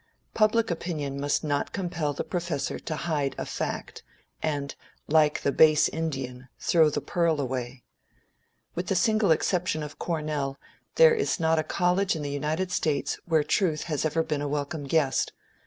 Public opinion must not compel the professor to hide a fact, and, "like the base Indian, throw the pearl away." With the single exception of Cornell, there is not a college in the United States where truth has ever been a welcome guest.